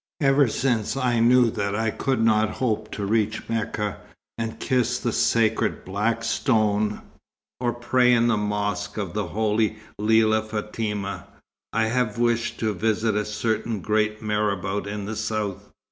"Ever since I knew that I could not hope to reach Mecca, and kiss the sacred black stone, or pray in the Mosque of the holy Lella Fatima, I have wished to visit a certain great marabout in the south.